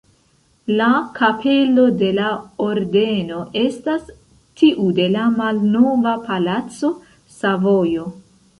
La kapelo de la Ordeno estas tiu de la malnova palaco Savojo.